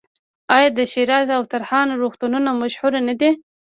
آیا د شیراز او تهران روغتونونه مشهور نه دي؟